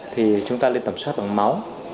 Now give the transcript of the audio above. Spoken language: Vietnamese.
thì chúng ta nên tầm soát bằng máu